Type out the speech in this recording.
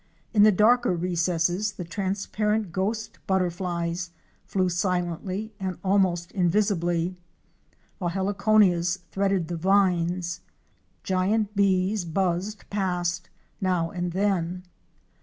In the darker recesses the transparent Ghost Butterflies flew silently and almost invisibly, while Heliconias threaded the vines. Giant bees buzzed past now and then.